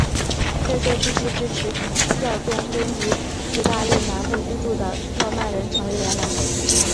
这些枢机支持教宗跟于意大利南部居住的诺曼人成为联盟。